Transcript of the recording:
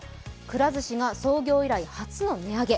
くら寿司が創業以来、初の値上げ。